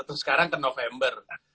terus sekarang ke november